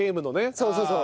そうそうそう。